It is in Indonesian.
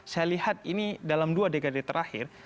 saya lihat ini dalam dua dekade terakhir